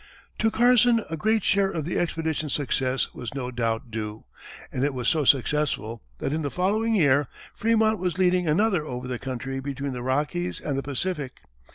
To Carson a great share of the expedition's success was no doubt due, and it was so successful that in the following year, Frémont was leading another over the country between the Rockies and the Pacific.